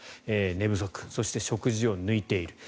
寝不足そして、食事を抜いている。